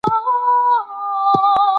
که انلاین ټولګي وي، نو وخت انعطاف لري.